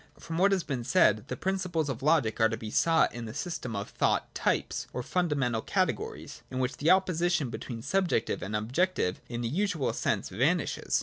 From what has been said the principles of logic are to be sought in a system of thought types or fundamental cate gories, in which the opposition between subjective and objective, in its usual sense, vanishes.